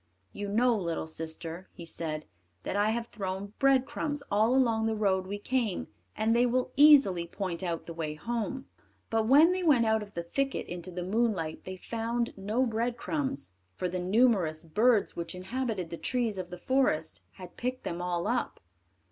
"You know, little sister," he said, "that I have thrown breadcrumbs all along the road we came, and they will easily point out the way home." But when they went out of the thicket into the moonlight they found no breadcrumbs, for the numerous birds which inhabited the trees of the forest had picked them all up.